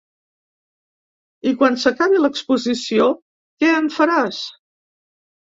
I quan s’acabi l’exposició, què en faràs?